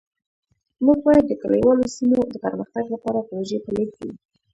موږ باید د کلیوالو سیمو د پرمختګ لپاره پروژې پلي کړو